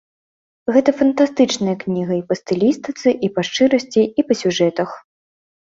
Гэта фантастычная кніга і па стылістыцы, і па шчырасці, і па сюжэтах.